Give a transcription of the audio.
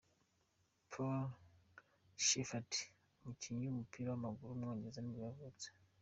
Paul Shepherd, umukinnyi w’umupira w’amaguru w’umwongereza nibwo yavutse.